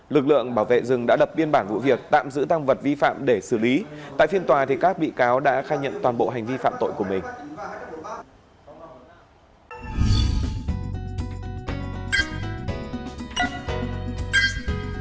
lực lượng bảo vệ rừng đã lập biên bản vụ việc tạm giữ tăng vật vi phạm để xử lý tại phiên tòa các bị cáo đã khai nhận toàn bộ hành vi phạm tội của mình